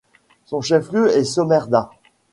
Son chef-lieu est Sömmerda.